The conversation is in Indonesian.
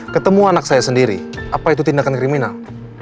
ketemu anak saya sendiri apa itu tindakan kriminal